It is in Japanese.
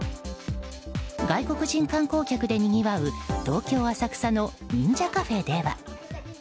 外国人観光客でにぎわう東京・浅草の忍者カフェでは。